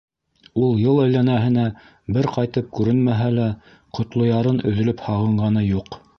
Ул йыл әйләнәһенә бер ҡайтып күренмәһә лә, Ҡотлоярын өҙөлөп һағынғаны юҡ.